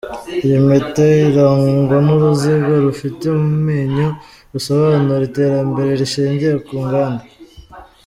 Iyi mpeta irangwa n’uruziga rufite amenyo rusobanura iterambere rishingiye ku nganda.